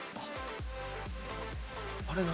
あれ何？